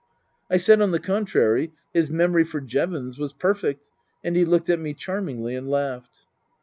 I said, on the contrary, his memory for Jevons was perfect, and he looked at me charmingly and laughed.